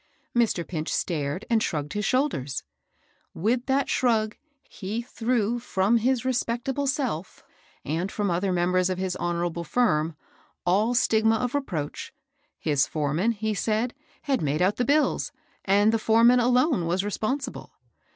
Mr. Pinch stared and shrugged his shoulders. MR. FINGH Ain> COMPANY. 871 Witb that shrttg he threw from Tm respectable self^ stnd fi*om other members of his honorable firm, all stigma of reproach. His foreman, he saidy had made out the bills, and the foreman alone was re sponsible.